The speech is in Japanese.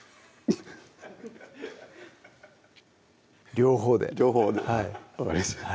両方で両方で分かりました